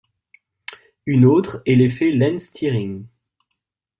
Une autre est l'effet Lense-Thirring.